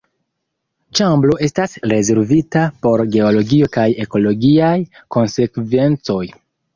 Ĉambro estas rezervita por geologio kaj ekologiaj konsekvencoj.